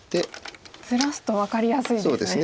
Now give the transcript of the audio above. ずらすと分かりやすいですね。